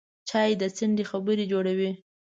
چای د څنډې خبرې جوړوي